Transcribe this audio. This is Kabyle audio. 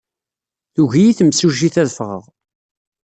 Tugi-iyi temsujjit ad ffɣeɣ.